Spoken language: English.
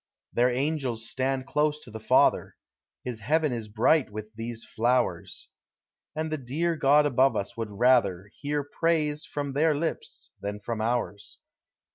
Their angels stand close to the Father; His heaven is bright with these flowers; And the dear (lod above us would rather Hear praise from their lips than from ours.